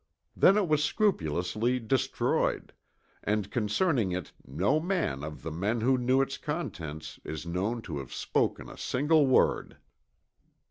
Then it was scrupulously destroyed; and concerning it no man of the men who knew its contents is known to have spoken a single word.